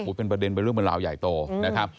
อุ๊ยเป็นประเด็นเรื่องบรรลาวใหญ่โตนะครับ